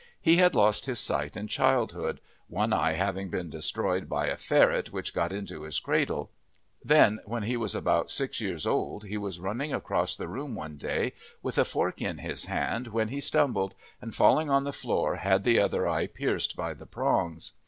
He had lost his sight in childhood, one eye having been destroyed by a ferret which got into his cradle; then, when he was about six years old he was running across the room one day with a fork it his hand when he stumbled, and falling on the floor had the other eye pierced by the prongs.